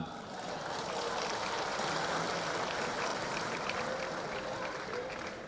ke pulau kalimantan